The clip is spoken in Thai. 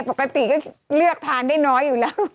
ปกติก็เลือกทานได้น้อยอยู่แล้ว